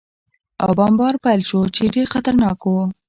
او بمبار پېل شو، چې ډېر خطرناک و.